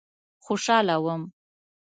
خوشاله وم.